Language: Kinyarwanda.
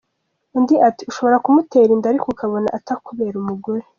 Undi ati “Ushobora kumutera inda ariko ukabona atakubera umugore.